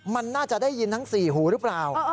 มันน่าจะได้ยินทั้ง๔หูหรือเปล่า